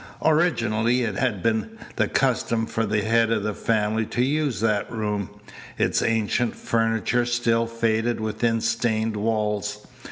Originally it had been the custom for the head of the family to use that room. Its ancient furniture still faded within stained walls.